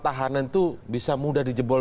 tahanan itu bisa mudah dijebol